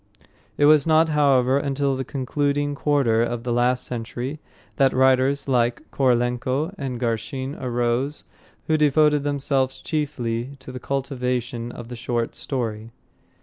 It was not however, until the concluding quarter of the last century that writers like Korolenko and Garshin arose, who devoted themselves chiefly to the cultivation of the short story.